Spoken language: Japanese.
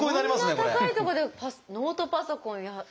こんな高いとこでノートパソコンやるんですね。